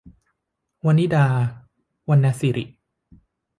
วนิดา - วรรณสิริ